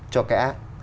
cho cái ác